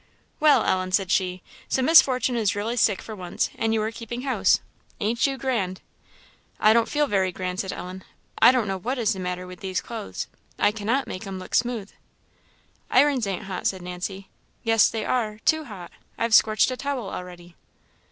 "Well, Ellen!" said she, "so Miss Fortune is really sick for once, and you are keeping house. Ain't you grand?" "I don't feel very grand," said Ellen. "I don't know what is the matter with these clothes; I cannot make 'em look smooth." "Irons ain't hot," said Nancy. "Yes they are too hot; I've scorched a towel already."